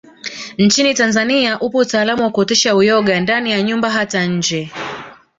Nchini Tanzania upo utaalamu wakuotesha uyoga ndani ya nyumba hata nje